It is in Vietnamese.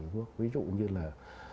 ví dụ như là